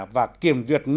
và kiểm duyệt của tác giả